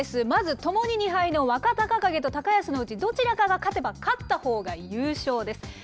まずともに２敗の若隆景と高安のうち、どちらかが勝てば、勝ったほうが優勝です。